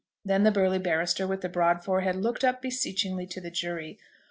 Then the burly barrister with the broad forehead looked up beseechingly to the jury.